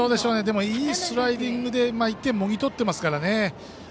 いいスライディングで１点をもぎ取っていますからね。